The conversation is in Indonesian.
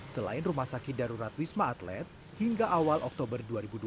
selain rumah sakit darurat wisma atlet hingga awal oktober dua ribu dua puluh